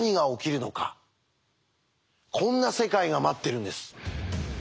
こんな世界が待ってるんです。